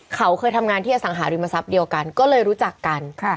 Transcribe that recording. เขาเคยทำงานที่อสังหาริมทรัพย์เดียวกันก็เลยรู้จักกัน